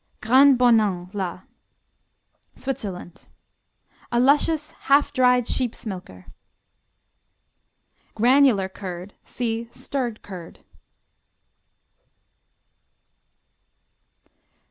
Grande Bornand, la Switzerland A luscious half dried sheep's milker. Granular curd see Stirred curd.